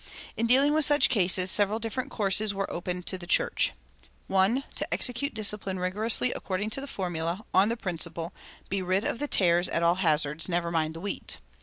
[275:3] In dealing with such cases several different courses were open to the church: (1) To execute discipline rigorously according to the formula, on the principle, Be rid of the tares at all hazards; never mind the wheat.